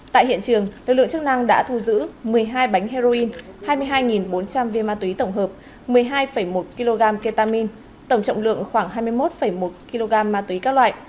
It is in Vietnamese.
tại hiện trường lực lượng chức năng đã thu giữ một mươi hai bánh heroin hai mươi hai bốn trăm linh viên ma túy tổng hợp một mươi hai một kg ketamin tổng trọng lượng khoảng hai mươi một một kg ma túy các loại